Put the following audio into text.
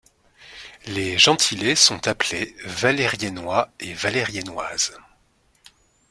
Les gentilés sont appelés Valérienois et Valérienoises.